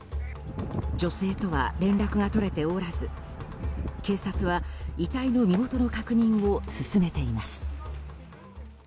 女性とは連絡が取れておらず警察は遺体の身元の確認を進めています。